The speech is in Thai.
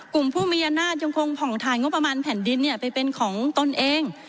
กลุ่มผู้มีอำนาจยังคงผ่องถ่ายงบประมาณแผ่นดินไปเป็นของตนเอง